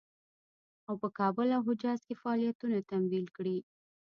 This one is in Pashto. او په کابل او حجاز کې فعالیتونه تمویل کړي.